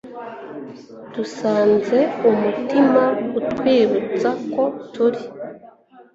dusanze umutima utwibutsa ko turi